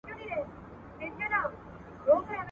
په زړو نظرياتو پسې مه ځئ.